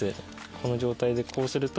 この状態でこうすると。